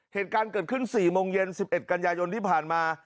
เหตุการณ์เกิดขึ้น๔โมงเย็น๑๑กันยายนที่ผ่านมา